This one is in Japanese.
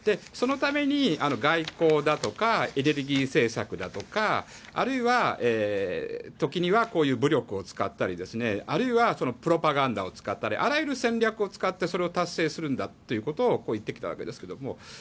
そのために外交だとかエネルギー政策だとかあるいは、時にはこういう武力を使ったりあるいはプロパガンダを使ったりあらゆる戦略を使ってそれを達成するんだということを言ってきたんですが。